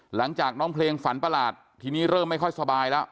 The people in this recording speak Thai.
หลังจากน้องเพลงฝันประหลาดทีนี้เริ่มไม่ค่อยสบายแล้ว